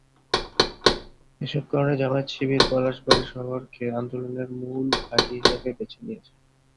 এসব কারণে জামায়াত-শিবির পলাশবাড়ী শহরকে আন্দোলনের মূল ঘাঁটি হিসেবে বেছে নিয়েছে।